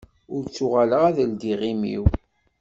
Ur ttuɣaleɣ ad ldiɣ imi-w.